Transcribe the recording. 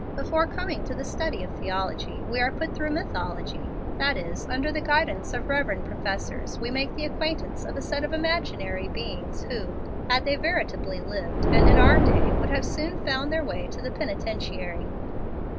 "Before coming to the study of theology, we are put through mythology; that is, under the guidance of reverend professors we make the acquaintance of a set of imaginary beings who, had they veritably lived, and in our day, would have soon found their way to the penitentiary."